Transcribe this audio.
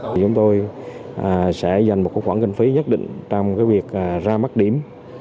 chúng tôi sẽ dành một khoản kinh phí nhất định trong việc ra mắt điểm